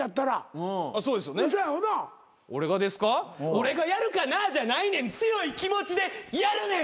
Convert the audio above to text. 俺がやるかなじゃないねん強い気持ちでやるねん。